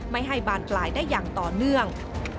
ไม่ให้บานปลายได้อย่างต่อเนื่อง